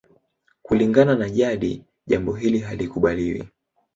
Kulingana na jadi jambo hili halikubaliwi